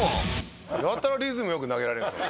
やたらリズム良く投げられるんすよ。